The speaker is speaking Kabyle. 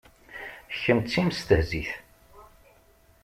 Kemm d timestehzit.